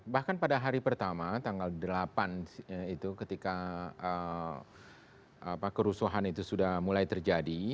bahkan pada hari pertama tanggal delapan itu ketika kerusuhan itu sudah mulai terjadi